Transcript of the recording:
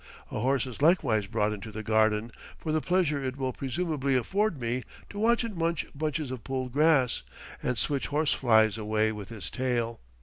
A horse is likewise brought into the garden, for the pleasure it will presumably afford me to watch it munch bunches of pulled grass, and switch horseflies away with his tail.